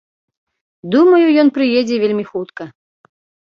Думаю, ён прыедзе вельмі хутка.